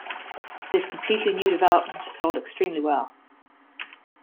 This completely new development sold extremely well.